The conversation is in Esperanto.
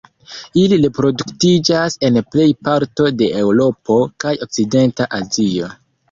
Ili reproduktiĝas en plej parto de Eŭropo kaj okcidenta Azio.